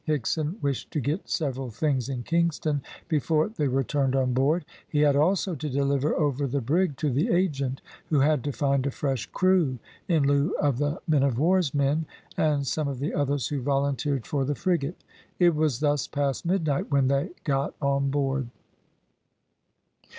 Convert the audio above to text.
Higson wished to get several things in Kingston before they returned on board; he had also to deliver over the brig to the agent, who had to find a fresh crew in lieu of the men of war's men, and some of the others who volunteered for the frigate. It was thus past midnight when they got on board.